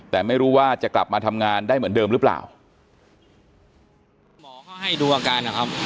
แต่ไม่รู้ว่าจะกลับมาทำงานได้เหมือนเดิมหรือเปล่าหมอก็ให้ดูอาการนะครับ